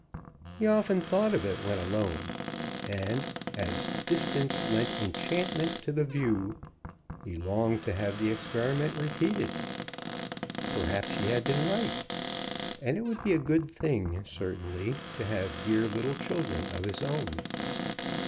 He often thought of it when alone, and, as "distance lent enchantment to the view," he longed to have the experiment repeated. Perhaps she had been right. And it would be a good thing, certainly, to have dear little children of his own.